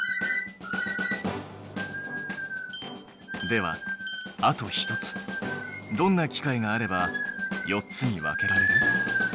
ではあと一つどんな機械があれば４つに分けられる？